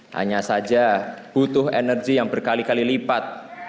hanya saja butuh energi yang berkali kali lipat